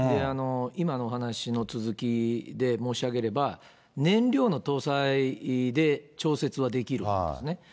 今のお話の続きで申し上げれば、燃料の搭載で調節はできるんですね。